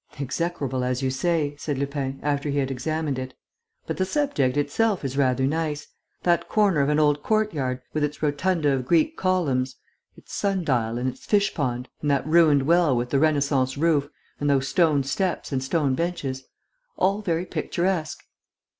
"Execrable, as you say," said Lupin, after he had examined it, "but the subject itself is rather nice. That corner of an old courtyard, with its rotunda of Greek columns, its sun dial and its fish pond and that ruined well with the Renascence roof and those stone steps and stone benches: all very picturesque."